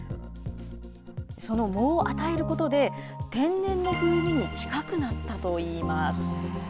その藻を与えることで、天然の風味に近くなったといいます。